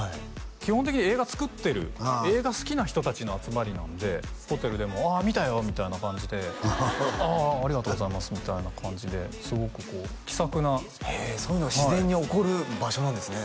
基本的には映画作ってる映画好きな人達の集まりなんでホテルでも「ああ見たよ」みたいな感じで「ああありがとうございます」みたいな感じですごくこう気さくなへえそういうの自然に起こる場所なんですね